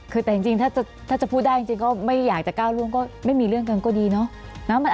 คือแต่จริงถ้าจะพูดได้จริงก็ไม่อยากจะก้าวร่วงก็ไม่มีเรื่องกันก็ดีเนาะ